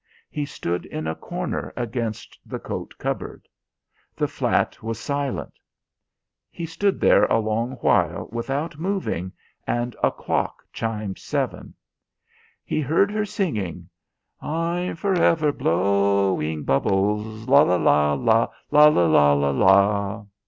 He stood in a corner against the coat cupboard. The flat was silent. He stood there a long while without moving and a clock chimed seven. He heard her singing "I'm for ever blowing bubbles.... Lal la! la! la!... la! la! la!..."